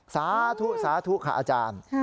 สาธุสาธุค่ะอาจารย์